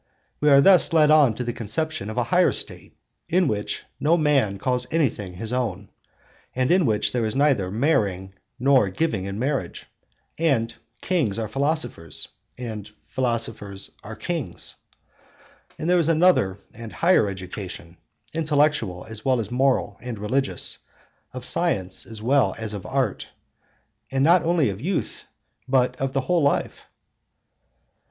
We are thus led on to the conception of a higher State, in which 'no man calls anything his own,' and in which there is neither 'marrying nor giving in marriage,' and 'kings are philosophers' and 'philosophers are kings;' and there is another and higher education, intellectual as well as moral and religious, of science as well as of art, and not of youth only but of the whole of life.